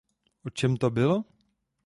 O čem to bylo?